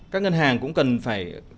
các ngân hàng cũng cần phải